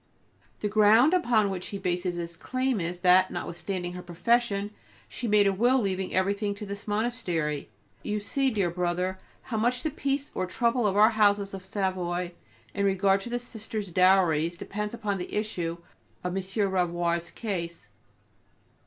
The ground upon which he bases his claim is, that, notwithstanding her profession, she made a will leaving everything to this monastery. You see, dear brother, how much the peace or trouble of our houses of Savoy, in regard to the Sisters' dowries, depends on the issue of M. Ravoir's case.